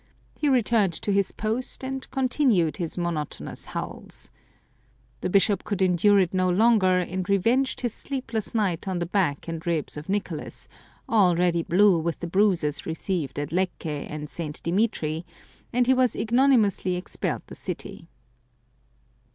He returned to his post, and continued his monotonous howls. The bishop could endure it no longer, and revenged his sleepless night on the back and ribs of Nicolas, already blue with the bruises received at Lecce and St, Dimitri ; and he was ignominiously expelled the city.